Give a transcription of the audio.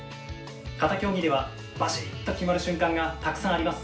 形競技ではばしっと決まる瞬間がたくさんあります。